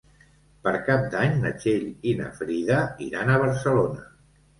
Per Cap d'Any na Txell i na Frida iran a Barcelona.